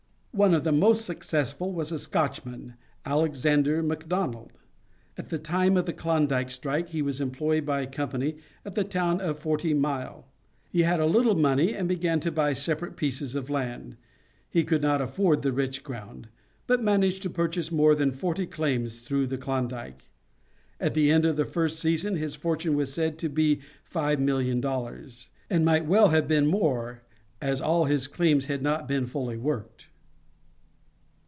One of the most successful was a Scotchman, Alexander McDonald. At the time of the Klondike strike he was employed by a company at the town of Forty Mile. He had a little money and began to buy separate pieces of land. He could not afford the rich ground, but managed to purchase more than forty claims through the Klondike. At the end of that first season his fortune was said to be $5,000,000, and might well have been more, as all his claims had not been fully worked.